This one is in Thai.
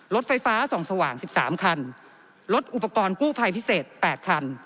รถไฟฟ้าส่องสว่าง๑๓คันรถอุปกรณ์กู้ภัยพิเศษ๘คัน